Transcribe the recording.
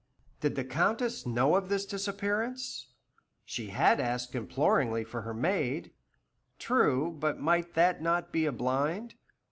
Did the Countess know of this disappearance? She had asked imploringly for her maid. True, but might that not be a blind?